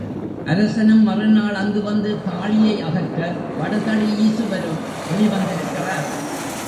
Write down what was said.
அரசனும் மறுநாள் அங்கு வந்து தாழியை அகற்ற வடதளி ஈசுவரும் வெளி வந்திருக்கிறார்.